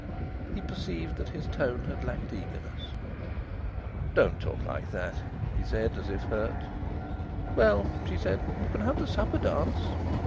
He perceived that his tone had lacked eagerness. "Don't talk like that," he said, as if hurt. "Well," she said, "you can have the supper dance."